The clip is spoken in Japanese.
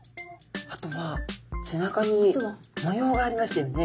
あとは背中に模様がありましたよね。